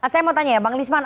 saya mau tanya ya bang lisman